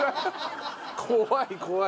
怖い怖い。